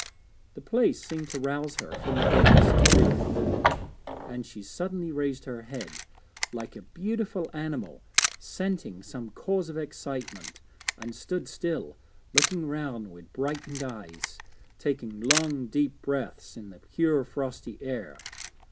The place seemed to rouse her from the dulness of grief, and she suddenly raised her head, like a beautiful animal scenting some cause of excitement, and stood still, looking round with brightened eyes, taking long deep breaths in the pure frosty air.